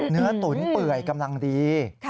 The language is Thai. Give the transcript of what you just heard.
ตุ๋นเปื่อยกำลังดี